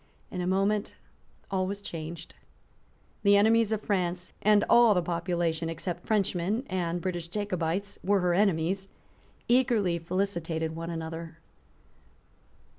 In a moment all was changed. The enemies of France, and all the population, except Frenchmen and British Jacobites, were her enemies, eagerly felicitated one another.